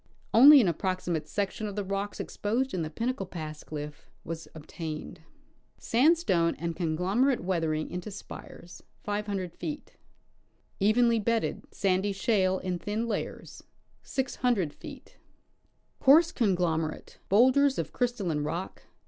Only an approximate section of the rocks exj^osed in the Pin nacle pass cliff was obtained. Sandstone and conglomerate weathering into spires . Evenly bedded, sandy shale in thin layers Coarse conglomerate ; bowlders of crystalline rock